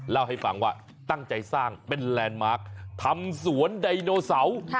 เล่าให้ฟังว่าตั้งใจสร้างเป็นแลนด์มาร์คทำสวนไดโนเสาร์